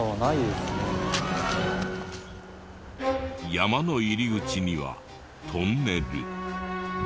山の入り口にはトンネル。